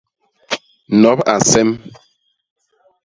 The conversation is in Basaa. Nop a nsem.